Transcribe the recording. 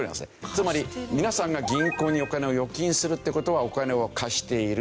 つまり皆さんが銀行にお金を預金するって事はお金を貸している。